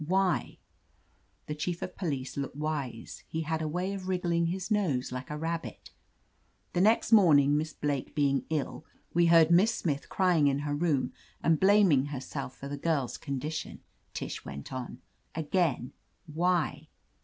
.Why?" The Chief of Police looked wise; he had a way of wriggling his nose like a rabbit. "The next morning, Miss Blake being ill, we heard Miss Smith crying in her room and blaming herself for the girl's condition," Tish went on. "Again, why